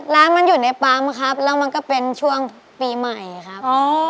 ร้านมันอยู่ในปั๊มครับแล้วมันก็เป็นช่วงปีใหม่ครับ